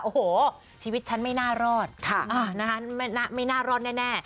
โอ้โหชีวิตฉันไม่น่ารอดไม่น่ารอดแน่